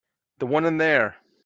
The one in there.